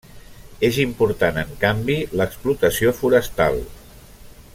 És important, en canvi, l'explotació forestal.